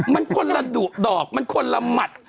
มันคนละดุดอกมันคนละหมัด